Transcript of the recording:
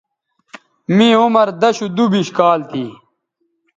می عمر دشودُوبش کال تھی